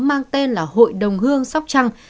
mang tên là hội đồng hương sóc trăng